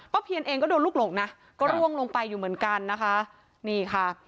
เพียนเองก็โดนลูกหลงนะก็ร่วงลงไปอยู่เหมือนกันนะคะนี่ค่ะ